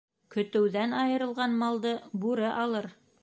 Көтөүҙән айырылған малды бүре алыр